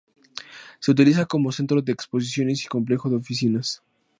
Se utiliza como centro de exposiciones y complejo de oficinas.